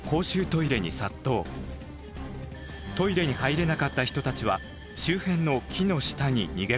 トイレに入れなかった人たちは周辺の木の下に逃げ込みました。